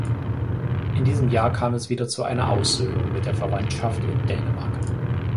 In diesem Jahr kam es wieder zu einer Aussöhnung mit der Verwandtschaft in Dänemark.